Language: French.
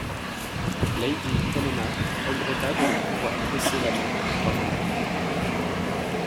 Lady Helena regretta de ne pouvoir presser la main du brave Indien.